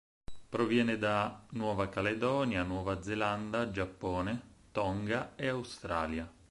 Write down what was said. Proviene da Nuova Caledonia, Nuova Zelanda, Giappone, Tonga e Australia.